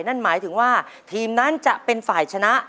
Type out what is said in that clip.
นั่นหมายถึงว่าทีมนั้นจะเป็นฝ่ายชนะ